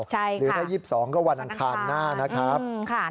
หรือถ้า๒๒ก็วันอังคารหน้านะครับ